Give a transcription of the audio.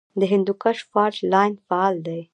د هندوکش فالټ لاین فعال دی